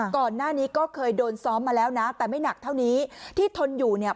ก่อนหน้านี้ก็เคยโดนซ้อมมาแล้วนะแต่ไม่หนักเท่านี้ที่ทนอยู่เนี่ย